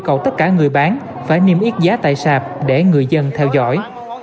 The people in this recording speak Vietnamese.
còn tất cả người bán phải niêm yết giá tại sạp để người dân theo dõi